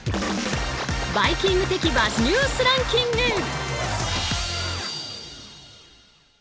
「バイキング」的Ｂｕｚｚニュースランキング。